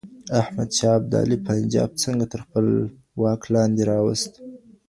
احمد شاه ابدالي پنجاب څنګه تر خپل واک لاندې راوست؟